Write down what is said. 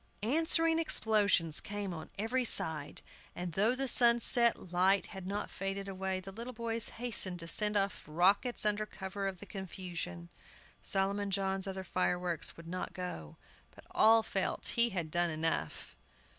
Answering explosions came on every side, and, though the sunset light had not faded away, the little boys hastened to send off rockets under cover of the confusion. Solomon John's other fireworks would not go. But all felt he had done enough.